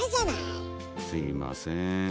すいませーん。